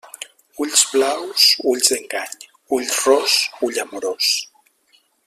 Ulls blaus, ulls d'engany; ull ros, ull amorós.